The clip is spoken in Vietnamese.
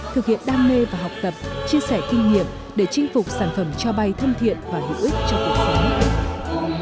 thực hiện đam mê và học tập chia sẻ kinh nghiệm để chinh phục sản phẩm cho bay thân thiện và hữu ích cho cuộc sống